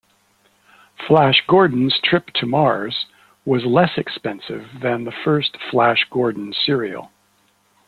"Flash Gordon's Trip to Mars" was less expensive than the first Flash Gordon serial.